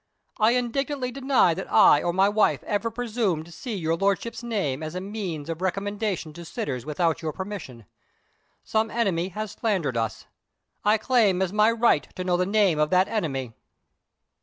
I indignantly deny that I or my wife ever presumed to see your Lordship's name as a means of recommendation to sitters without your permission. Some enemy has slandered us. I claim as my right to know the name of that enemy."